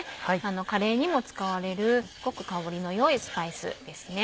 カレーにも使われるすごく香りの良いスパイスです。